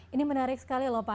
ini menarik sekali lho pak